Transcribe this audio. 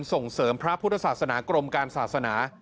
ส่งเสริมพระพุทธศาสนากรมการศาสนา